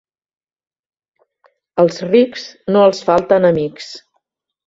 Als rics no els falten amics.